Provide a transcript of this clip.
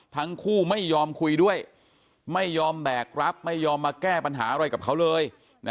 ทั้งคู่ไม่ยอมคุยด้วยไม่ยอมแบกรับไม่ยอมมาแก้ปัญหาอะไรกับเขาเลย